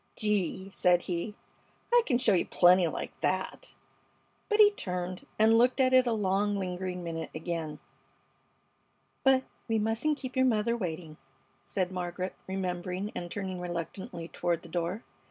"Gee!" said he, "I c'n show you plenty like that!" But he turned and looked at it a long, lingering minute again. "But we mustn't keep your mother waiting," said Margaret, remembering and turning reluctantly toward the door.